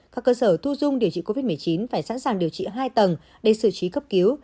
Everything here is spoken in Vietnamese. các cơ sở thu dung điều trị covid một mươi chín phải sẵn sàng điều trị hai tầng để xử trí cấp cứu